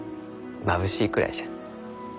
まぶしいくらいじゃ。